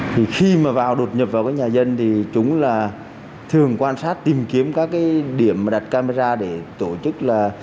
khi mà vào đột nhập vào cái nhà dân thì chúng là thường quan sát tìm kiếm các cái điểm đặt camera để tổ chức là